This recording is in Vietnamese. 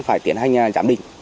phải tiến hành giám định